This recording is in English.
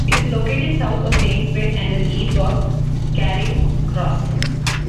It is located south of Thamesmead and is east of Charing Cross.